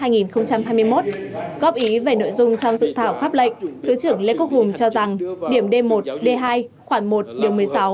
góp ý về nội dung trong dự thảo pháp lệnh thứ trưởng lê quốc hùng cho rằng điểm d một d hai khoảng một điều một mươi sáu